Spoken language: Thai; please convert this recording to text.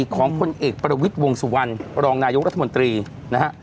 ของพลเอกประวิทย์วงสุวรรณรองนายกรัฐมนตรีนะฮะ